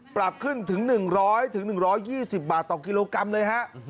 ปรับขึ้นถึง๑๐๐๑๒๐บาทต่อกิโลกรัมเลยฮะ